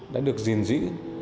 đã được diền dĩ